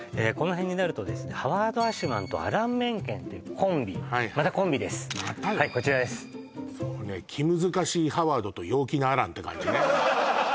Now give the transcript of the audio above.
この辺になるとですねハワード・アシュマンとアラン・メンケンっていうコンビまたコンビですはいこちらです気難しいハワードと陽気なアランって感じね